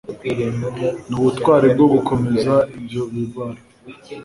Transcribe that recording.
ni ubutwari bwo gukomeza ibyo bibara